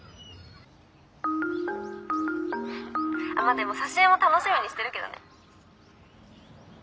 あっまあでも挿絵も楽しみにしてるけどね。